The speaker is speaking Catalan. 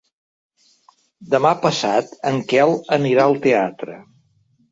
Demà passat en Quel anirà al teatre.